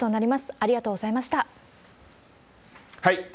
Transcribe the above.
ありがとうございます。